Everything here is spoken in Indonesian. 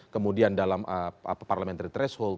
kemudian dalam parliamentary threshold